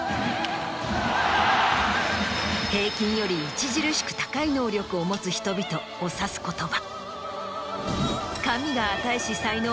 「平均より著しく高い能力を持つ人々」を指す言葉。